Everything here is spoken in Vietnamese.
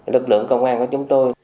lực lượng công an của chúng tôi